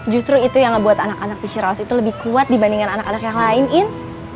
justru itu yang membuat anak anak di cirawas itu lebih kuat dibandingkan anak anak yang lain in